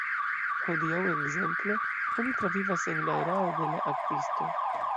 Hodiaŭ, ekzemple, oni travivas en la erao de la Akvisto.